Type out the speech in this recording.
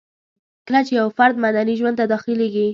کله چي يو فرد مدني ژوند ته داخليږي